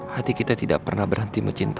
hati kita tidak pernah berhenti mencintai